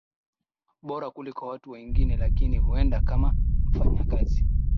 bora kuliko watu wengine lakini huenda kama mfanyakazi